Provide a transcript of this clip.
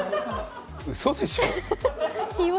うそでしょ？